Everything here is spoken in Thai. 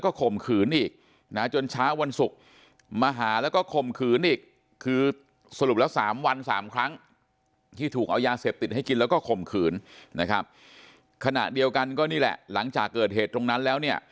ขนาดเดียวกันก็นี่แหละหลังจากเกิดเหตุตรงนั้นแล้ว